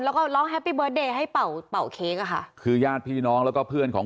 แล้วก็ร้องแฮปปี้เบิร์ตเดย์ให้เป่าเป่าเค้กอะค่ะคือญาติพี่น้องแล้วก็เพื่อนของ